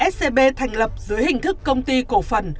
scb thành lập dưới hình thức công ty cổ phần